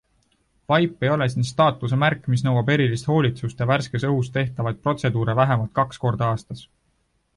Vaip ei ole siin staatuse märk, mis nõuab erilist hoolitsust ja värskes õhus tehtavaid protseduure vähemalt kaks korda aastas.